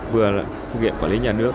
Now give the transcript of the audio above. vừa là thực hiện quản lý nhà nước